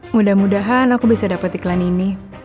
mudah mudahan aku bisa dapat iklan ini